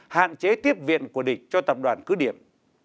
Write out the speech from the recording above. hạn chế tiếp viện của địch cho tập đoàn cứ điểm